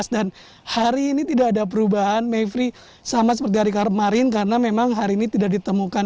dan hari ini tidak ada perubahan mayfrey sama seperti hari kemarin karena memang hari ini tidak ditemukan